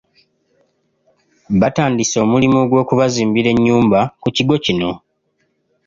Batandise omulimo gw’okubazimbira ennyumba ku kigo kino.